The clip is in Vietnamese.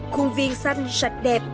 khuôn viên xanh sạch đẹp